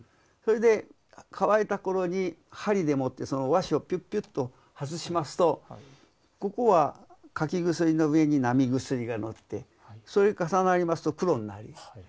それで乾いた頃に針でもってその和紙をピュッピュッと外しますとここは柿薬の上に並薬がのってそれ重なりますと黒になります。